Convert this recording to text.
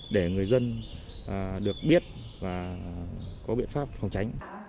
để người dân được biết và có biện pháp phòng tránh